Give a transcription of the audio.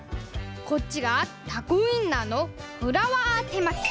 こっちがタコウインナーのフラワーてまき。